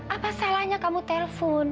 apa salahnya kamu telpon